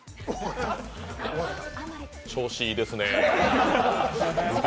調子いいですね。